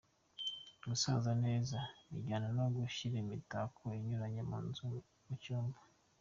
Gusasa neza bijyana no gushyira imitako inyuranye mu nzu, mu cyumba.